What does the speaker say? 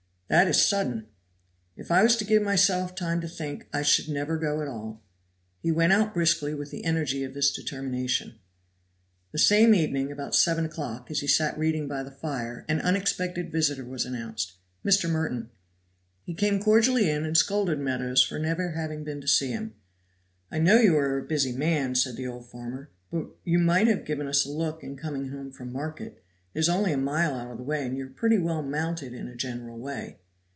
"That is sudden." "If I was to give myself time to think, I should never go at all." He went out briskly with the energy of this determination. The same evening, about seven o'clock, as he sat reading by the fire, an unexpected visitor was announced Mr. Merton. He came cordially in and scolded Meadows for never having been to see him. "I know you are a busy man," said the old farmer, "but you might have given us a look in coming home from market; it is only a mile out of the way, and you are pretty well mounted in a general way."